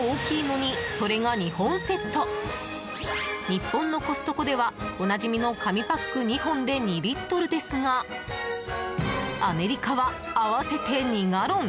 日本のコストコではおなじみの紙パック２本で２リットルですがアメリカは、合わせて２ガロン！